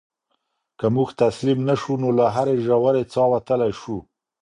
که موږ تسلیم نه شو نو له هرې ژورې څاه وتلی شو.